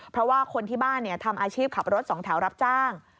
เพราะว่าคนที่บ้านทำอาชีพขับรถสองแถวรับจ้าง